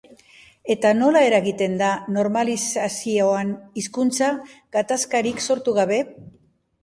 Eta nola eragiten da normalizazioan hizkuntza gatazkarik sortu gabe?